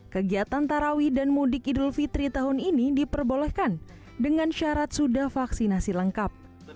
kegiatan tarawi dan mudik idul fitri tahun ini diperbolehkan dengan syarat sudah vaksinasi lengkap